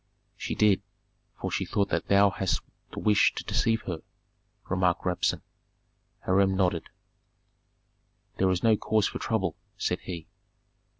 "She did, for she thought that thou hadst the wish to deceive her," remarked Rabsun. Hiram nodded. "There is no cause for trouble," said he.